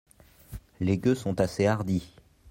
Les gueux sont assez hardis.